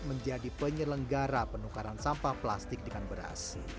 menjadi penyelenggara penukaran sampah plastik dengan beras